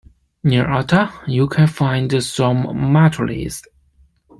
Near Atar, you can find stromatolites.